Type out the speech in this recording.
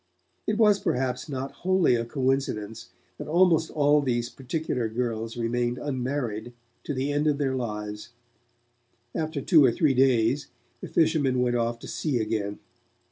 It was, perhaps, not wholly a coincidence that almost all those particular girls remained unmarried to the end of their lives. After two or three days, the fishermen went off to sea again.